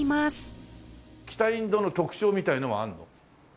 北インドの特徴みたいのはあるの？